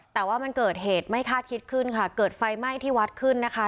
แต่ว่ามันเกิดเหตุไม่คาดคิดขึ้นค่ะเกิดไฟไหม้ที่วัดขึ้นนะคะ